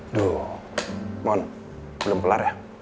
duh mohon belum kelar ya